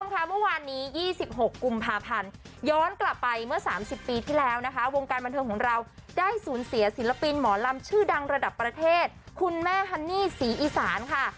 ค่ะเมื่อวานนี้๒๖กุมภาพันธ์ย้อนกลับไปเมื่อ๓๐ปีที่แล้วนะคะวงการบันเทิงของเราได้สูญเสียศิลปินหมอลำชื่อดังระดับประเทศคุณแม่ฮันนี่ศรีอีสานค่ะ